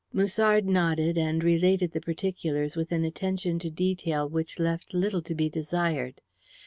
Musard nodded, and related the particulars with an attention to detail which left little to be desired.